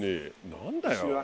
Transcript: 何だよ！